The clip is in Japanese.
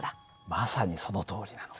まさにそのとおりなの。